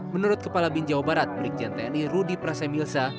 menurut kepala bin jawa barat merik janteni rudi prasemilsa